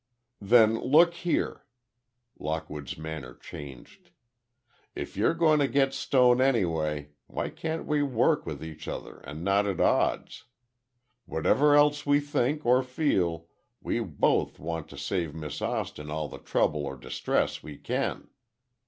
"Then, look here," Lockwood's manner changed. "If you're going to get Stone anyway, why can't we work with each other and not at odds? Whatever else we think or feel we both want to save Miss Austin all the trouble or distress we can.